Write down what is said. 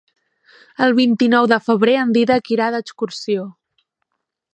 El vint-i-nou de febrer en Dídac irà d'excursió.